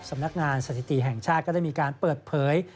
สำนักงานสถิติแห่งชาติก็ได้มีการเปิดเผย